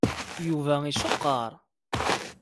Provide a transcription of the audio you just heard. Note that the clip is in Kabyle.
Yuba iceqqer.